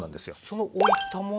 そのおいたものが。